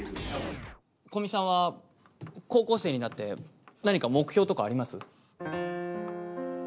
古見さんは高校生になって何か目標とかあります？